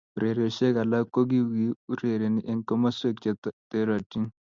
Urerioshe alak ko kikiureren eng komosweek che terotin.